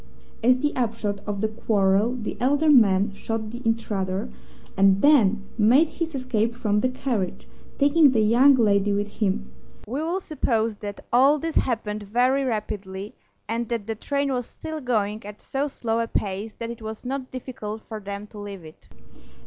As the upshot of the quarrel the elder man shot the intruder, and then made his escape from the carriage, taking the young lady with him. We will suppose that all this happened very rapidly, and that the train was still going at so slow a pace that it was not difficult for them to leave it.